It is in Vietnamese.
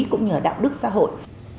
cũng như là đạo đức xã hội